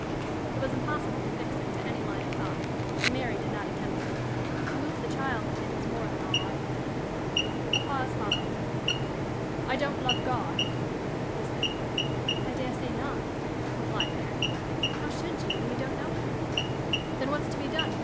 It was impossible to fix him to any line of thought, and Mary did not attempt it. To move the child in him was more than all argument. A pause followed. "I don't love God," he said. "I dare say not," replied Mary. "How should you, when you don't know him?" "Then what's to be done?